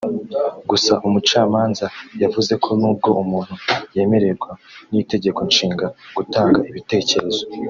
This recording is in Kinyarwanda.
Gusa Umucamanza yavuze ko nubwo umuntu yemererwa n’Itegeko Nshinga gutanga ibitekerezo